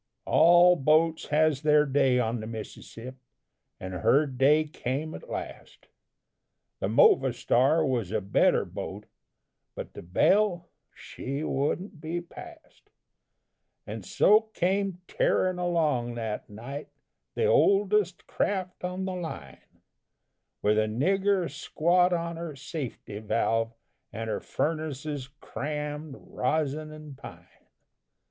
All boats has their day on the Mississip'. And her day came at last The Movastar was a better boat, But the Belle, she wouldn't be passed, And so came tearin' along that night, The oldest craft on the line, With a nigger squat on her safety valve, And her furnaces crammed, rosin and pine.